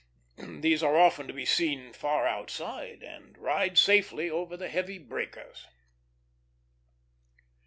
These are often to be seen far outside, and ride safely over the heavy breakers.